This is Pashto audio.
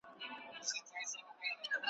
واکمن به نامحرمه د بابا د قلا نه وي `